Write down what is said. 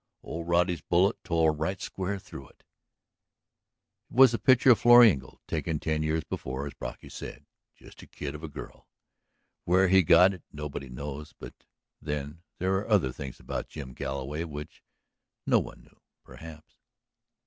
Old Roddy's bullet tore right square through it." It was a picture of Florrie Engle, taken years before. As Brocky said: "Just a kid of a girl." Where he got it nobody knew. But then there were other things about Jim Galloway which no one knew. Perhaps